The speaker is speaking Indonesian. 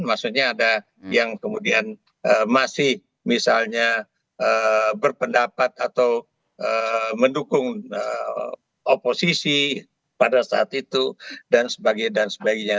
maksudnya ada yang kemudian masih misalnya berpendapat atau mendukung oposisi pada saat itu dan sebagainya